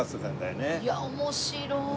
いや面白い。